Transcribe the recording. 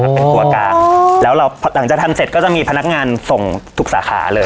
เป็นตัวกลางแล้วเราพอหลังจากทำเสร็จก็จะมีพนักงานส่งทุกสาขาเลย